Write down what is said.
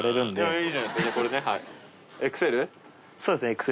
そうですねＸＬ。